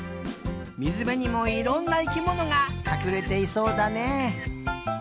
みずべにもいろんな生きものがかくれていそうだね。